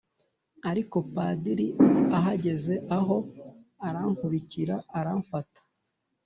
ariko Padiri ahagaze aho arankurikira aramfata